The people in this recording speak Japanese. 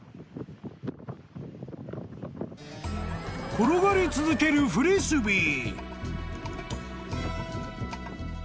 ［転がり続けるフリスビー］